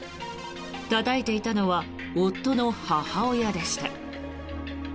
たたいていたのは夫の母親でした。